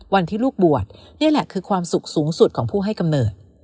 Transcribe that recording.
วันที่ลูกบวชนี่แหละคือความสุขสูงสุดของผู้ให้กำเนิด